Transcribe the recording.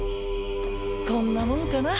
こんなもんかな。